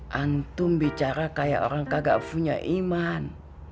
hantum bicara kayak orang kagak punya iman